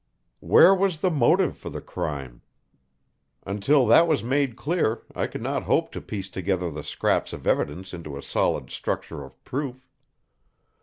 Where was the motive for the crime? Until that was made clear I could not hope to piece together the scraps of evidence into a solid structure of proof.